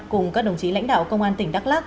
cùng các đồng chí lãnh đạo công an tỉnh đắk lắc